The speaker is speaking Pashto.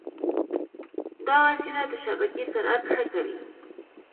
دا وسیله د شبکې سرعت ښه کوي.